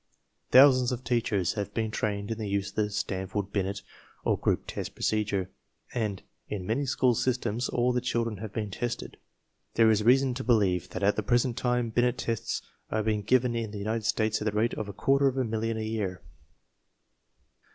Thousands of teachers have been trained in the use of the Stanford Binet or group test procedure, and in many school systems all the children have been tested. There is reason to believe that at the present time Binet tests are being given in the United States at the rate of a quarter of a million > a year.